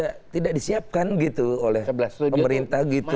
ya tidak disiapkan gitu oleh pemerintah gitu